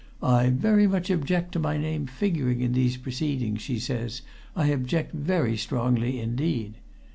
'I very much object to my name figuring in these proceedings,' she says. 'I object very strongly indeed!'